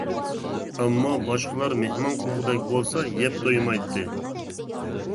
ئەمما باشقىلار مېھمان قىلغۇدەك بولسا، يەپ تويمايتتى.